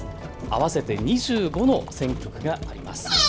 合わせて２５の選挙区があります。